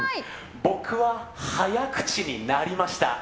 僕は早口になりました。